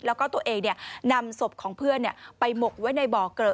แล้วก็ตัวเองนำศพของเพื่อนไปหมกไว้ในบ่อเกลอะ